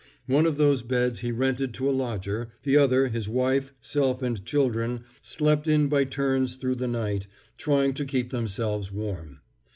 One of those beds he rented to a lodger, the other his wife, self and children slept in by turns through the night, trying to keep themselves warm.